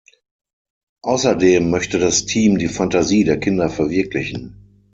Außerdem möchte das Team die Fantasie der Kinder verwirklichen.